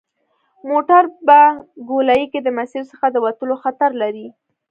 موټر په ګولایي کې د مسیر څخه د وتلو خطر لري